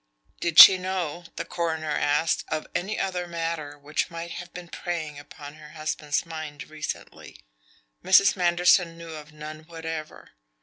Did she know, the coroner asked, of any other matter which might have been preying upon her husband's mind recently? Mrs. Manderson knew of none whatever.